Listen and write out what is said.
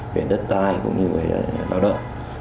về đất đai cũng như là đạo động